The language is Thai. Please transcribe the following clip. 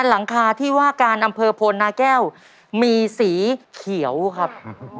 หลังคาที่ว่าการอำเภอโพนาแก้วมีสีเขียวครับ